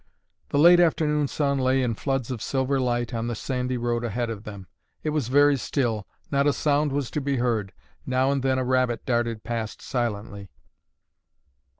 The late afternoon sun lay in floods of silver light on the sandy road ahead of them. It was very still. Not a sound was to be heard. Now and then a rabbit darted past silently.